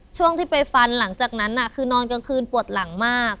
ช่วงที่ไปฟันหลังจากนั้นคือนอนกลางคืนปวดหลังมาก